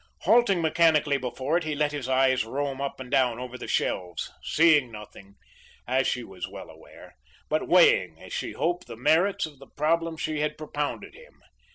Halting mechanically before it, he let his eyes roam up and down over the shelves, seeing nothing, as she was well aware, but weighing, as she hoped, the merits of the problem she had propounded him.